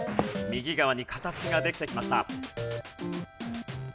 右側に形ができてきました。